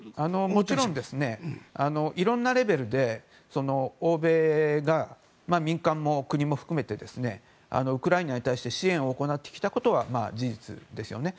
もちろんいろんなレベルで欧米が、民間も国も含めてウクライナに対して支援を行ってきたことは事実ですよね。